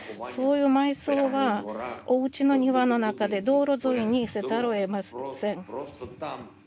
そういう埋葬はおうちの庭の中で道路沿いにせざるをえません。